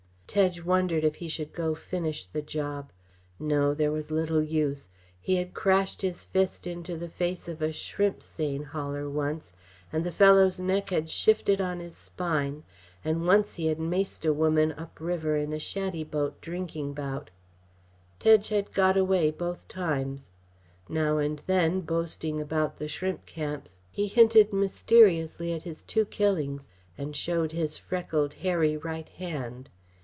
Tedge wondered if he should go finish the job. No; there was little use. He had crashed his fist into the face of a shrimp seine hauler once, and the fellow's neck had shifted on his spine and once he had maced a woman up river in a shantyboat drinking bout Tedge had got away both times. Now and then, boasting about the shrimp camps, he hinted mysteriously at his two killings, and showed his freckled, hairy right hand.